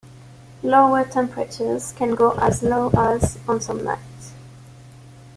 Lower temperatures can go as low as - on some nights.